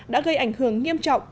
đã gây ảnh hưởng nghiêm trọng